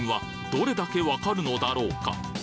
どれだけ分かるのだろうか？